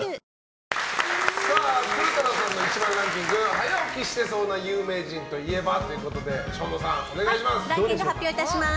早起きしてそうな有名人といえば？ということでランキング発表いたします。